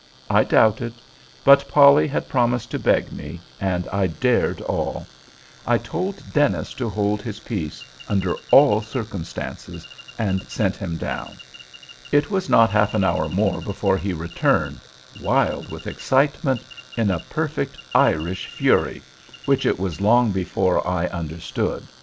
I doubted. But Polly had promised to beg me, and I dared all! I told Dennis to hold his peace, under all circumstances, and sent him down. It was not half an hour more before he returned, wild with excitement—in a perfect Irish fury—which it was long before I understood.